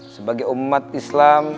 sebagai umat islam